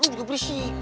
lu juga berisik